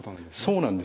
そうなんです。